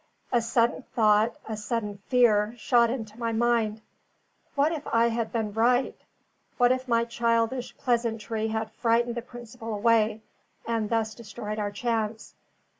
A sudden thought, a sudden fear, shot into my mind. What if I had been right? What if my childish pleasantry had frightened the principal away, and thus destroyed our chance?